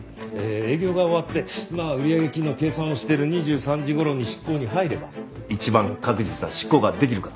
営業が終わって売上金の計算をしてる２３時頃に執行に入れば一番確実な執行ができるかと。